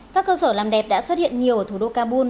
các cơ sở làm đẹp đã xuất hiện nhiều ở thủ đô kabul